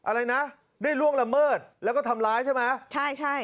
อะไรนะได้ล่วงละเมิดแล้วก็ทำร้ายใช่ไหมใช่ใช่